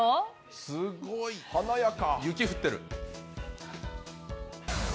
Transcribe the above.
すごい、華やか。